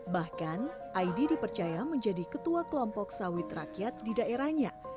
bahkan aidi dipercaya menjadi ketua kelompok sawit rakyat di daerahnya